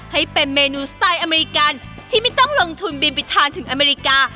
ให้เป็นเมนูสไตล์อเมริกันที่ไม่ต้องลงทุนบินไปทานถึงอเมริกา